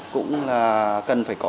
cũng là cần phải có